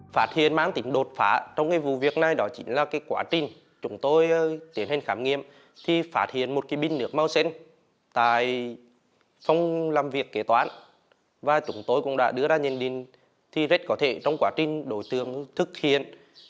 phát hiện mang tính đột phá trong cái vụ việc này đó chính là quá trình chúng tôi tiến hành khám nghiệm thì phát hiện một cái binh nước màu xanh tại phòng làm việc kế toán và chúng tôi cũng đã đưa ra nhận định thì rất có thể trong quá trình đối tượng thực hiện